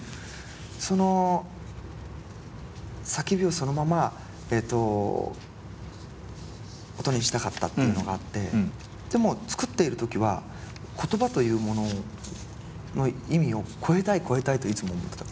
その叫びをそのまま音にしたかったっていうのがあってでも作っている時は言葉というものの意味を超えたい超えたいといつも思ってた。